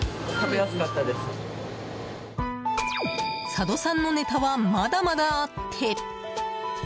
佐渡産のネタはまだまだあって。